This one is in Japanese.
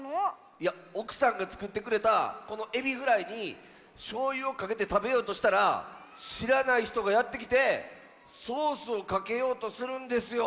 いやおくさんがつくってくれたこのエビフライにしょうゆをかけてたべようとしたらしらないひとがやってきてソースをかけようとするんですよ。